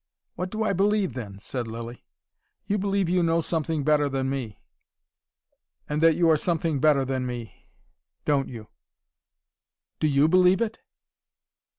"What do I believe then?" said Lilly. "You believe you know something better than me and that you are something better than me. Don't you?" "Do YOU believe it?"